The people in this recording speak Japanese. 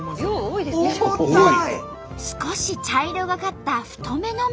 少し茶色がかった太めの麺。